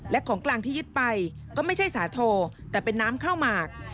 และของกลางที่ยึดไปก็ไม่ใช่สาโทแต่เป็นน้ำข้าวหมาก